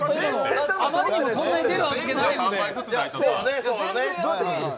あまりにもそんなに出るわけがないので。